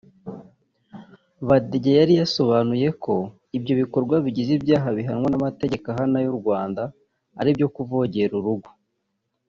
Badege yari yasobanuye ko ibyo bikorwa bigize ibyaha bihanwa n’amategeko ahana y’u Rwanda aribyo kuvogera urugo